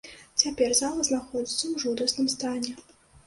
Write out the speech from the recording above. Цяпер зала знаходзіцца ў жудасным стане.